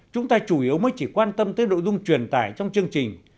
chúng ta chủ yếu mới chỉ quan tâm tới nội dung truyền tải trong chương trình